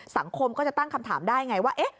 สังคมก็จะตั้งคำถามได้ไงว่า